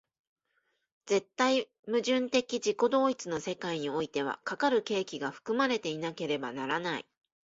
絶対矛盾的自己同一の世界においては、かかる契機が含まれていなければならない。